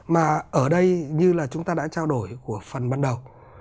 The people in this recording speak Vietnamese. mà ở đây như là chúng ta đã trao đổi của phần ban đầu